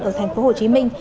ở thành phố hồ chí minh